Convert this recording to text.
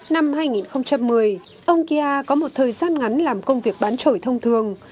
năm hai nghìn một mươi ông kia có một thời gian ngắn làm công việc bán trội thông thường